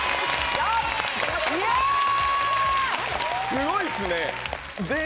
すごいっすね。